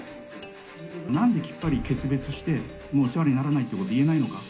なんできっぱり決別して、もうお世話にならないってことを言えないのか。